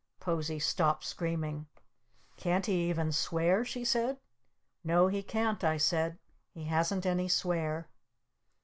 Posie stopped screaming. "Can't he even swear?" she said. "No, he can't," I said. "He hasn't any swear!"